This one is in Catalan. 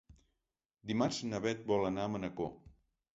Dimarts na Beth vol anar a Manacor.